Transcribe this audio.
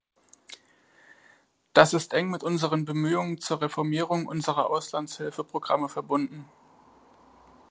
Das ist eng mit unseren Bemühungen zur Reformierung unserer Auslandshilfeprogramme verbunden.